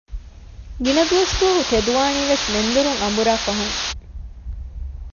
ގިނަ ދުވަސްދުވަހު ތެދުވާނީވެސް މެންދުރުން އަނބުރާ ފަހުން